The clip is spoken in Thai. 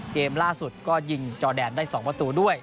เกมล่าสุดก็ยิงจอแดนได้๒ประตูด้วย